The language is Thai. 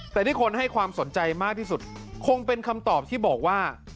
แต่ที่คนให้ความสนใจมากที่สุดคงเป็นคำตอบที่บอกว่า